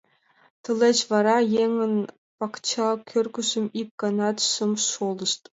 Тылеч вара еҥын пакча кӧргыжым ик ганат шым шолышт.